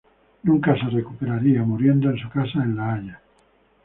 Nunca se recuperaría, muriendo en su casa en La Haya.